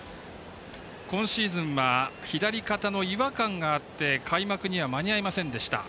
今シーズンは左肩の違和感があって開幕には間に合いませんでした。